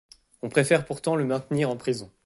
On préfère pourtant le maintenir en prison.